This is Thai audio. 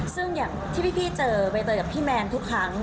ซึ่งอย่างที่พี่เจอใบเตยกับพี่แมนทุกครั้ง